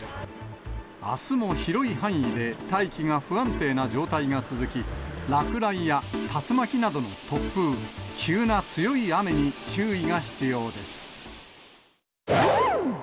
あすも広い範囲で大気が不安定な状態が続き、落雷や竜巻などの突風、急な強い雨に注意が必要です。